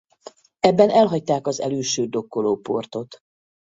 Ebben elhagyták az elülső dokkolóportot.